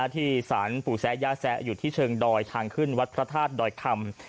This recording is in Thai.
ที่สารปู่แซะย่าแซะอยู่ที่เชิงดอยทางขึ้นวัดพระธาตุดอยคำ